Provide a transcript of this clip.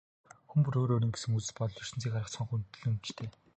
Хүн бүр өөр өөрийн гэсэн үзэл бодол, ертөнцийг харах цонх, үнэлэмжтэй.